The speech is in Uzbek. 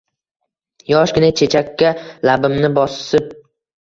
Yoshgina chechakka labimni bosib